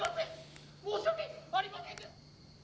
「申し訳ありません」。